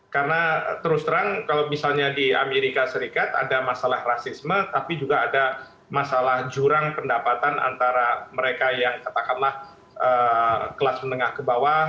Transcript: karena terus terang kalau misalnya di amerika serikat ada masalah rasisme tapi juga ada masalah jurang pendapatan antara mereka yang katakanlah kelas menengah ke bawah